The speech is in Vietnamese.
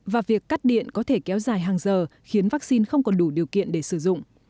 và việc cắt điện có thể kéo dài hàng giờ khiến vaccine không còn đủ điều kiện để sử dụng